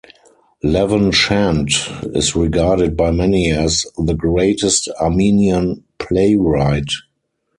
Levon Shant is regarded by many as the greatest Armenian playwright.